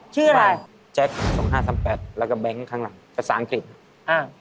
ชื่ออะไรครับแจ็ค๒๕๓๘แล้วก็แบงค์ข้างหลังศาลอังกฤษครับอ่า